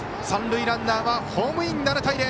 三塁ランナーはホームイン７対０。